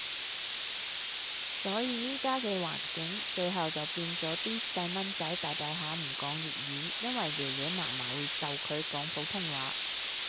所以依家嘅環境，最後就變咗啲細蚊仔大大下唔講粵語，因為爺爺嫲嫲會就佢講普通話